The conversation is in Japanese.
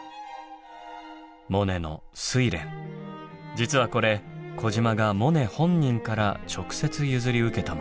実はこれ児島がモネ本人から直接譲り受けたもの。